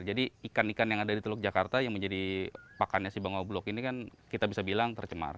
jadi ikan ikan yang ada di teluk jakarta yang menjadi pakannya bangau blue walk ini kan kita bisa bilang tercemar